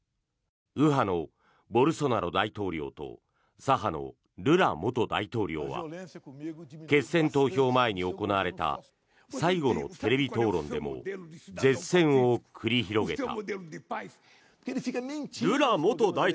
右派のボルソナロ大統領と左派のルラ元大統領は決選投票前に行われた最後のテレビ討論でも舌戦を繰り広げた。